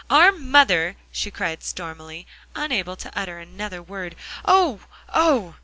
"OUR MOTHER!" she cried stormily, unable to utter another word "oh oh!"